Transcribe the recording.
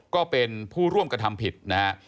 ก็เป็นผู้ร่วมกระทำผิดนะฮะ